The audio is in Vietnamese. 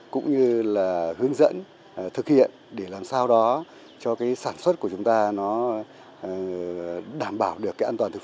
cũng như là hướng dẫn thực hiện để làm sao đó cho sản xuất của chúng ta đảm bảo được